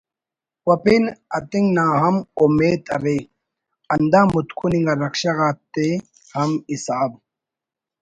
و پین اتنگ نا ہم اومیت ارے ہندا متکن انگا رکشہ غا تے ہم حساب